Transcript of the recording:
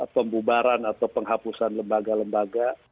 pembubaran atau penghapusan lembaga lembaga